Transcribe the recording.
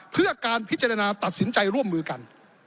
เพื่อการพิจารณาตัดสินใจร่วมมือกัน